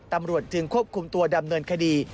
ตำรวจจึงควบคุมตัวดำเนินคดี